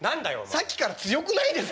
さっきから強くないですか？